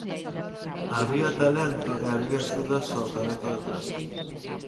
Había talento e había axudas ao talento detrás.